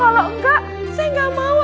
kalau enggak saya nggak mau